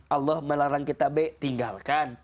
allah melarang kita b tinggalkan